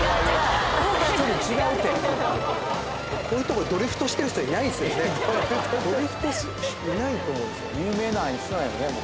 こういうとこでドリフトしてる人いないっすよね。